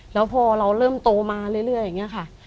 แล้วพอเราเริ่มโตมาเรื่อยอย่างนี้ค่ะ